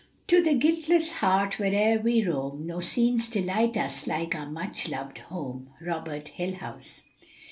" to the guiltless heart, where'er we roam, No scenes delight us like our much loved home." Robert Hillhouse.